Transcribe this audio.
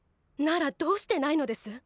ならどうしてないのです？